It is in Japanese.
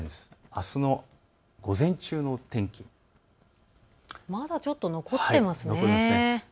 あすの午前中の天気、まだちょっと残っています。